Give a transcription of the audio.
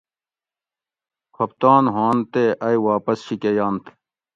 کھوپتان ہوانت تے ائ واپس شی کہ ینت